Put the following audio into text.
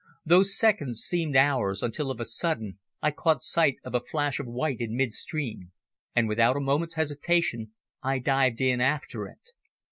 Those seconds seemed hours, until of a sudden I caught sight of a flash of white in mid stream, and without a moment's hesitation I dived in after it.